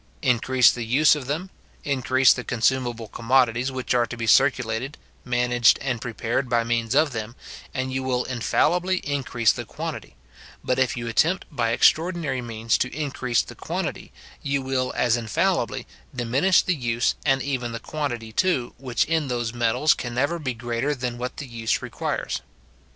Increase the use of them, increase the consumable commodities which are to be circulated, managed, and prepared by means of them, and you will infallibly increase the quantity; but if you attempt by extraordinary means to increase the quantity, you will as infallibly diminish the use, and even the quantity too, which in those metals can never be greater than what the use requires.